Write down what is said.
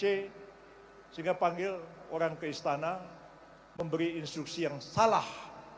sehingga panggil orang ke istana memberi instruksi yang salah